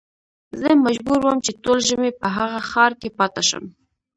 زه مجبور وم چې ټول ژمی په هغه ښار کې پاته شم.